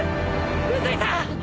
宇髄さん！